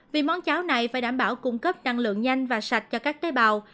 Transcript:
vì món cháo này phải đảm bảo cung cấp năng lượng nhanh và sạch cho các tế bào